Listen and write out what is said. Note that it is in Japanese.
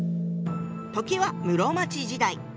時は室町時代。